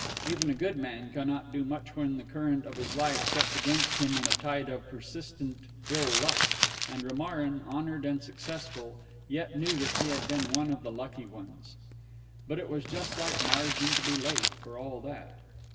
Even a good man cannot do much when the current of his life sets against him in a tide of persistent ill luck, and Romarin, honoured and successful, yet knew that he had been one of the lucky ones.... But it was just like Marsden to be late, for all that.